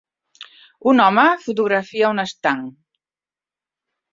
Un home fotografia un estanc.